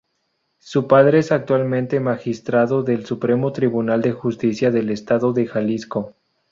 Su padre es actualmente Magistrado del Supremo Tribunal de Justicia del Estado de Jalisco.